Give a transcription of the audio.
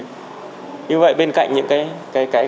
như vậy bên cạnh những cái